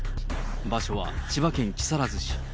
場所は千葉県木更津市。